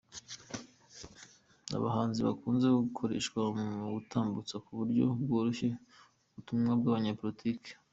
Abahanzi bakunze gukoreshwa mu gutambutsa ku buryo bworoshye ubutumwa bw’abanyapolitiki.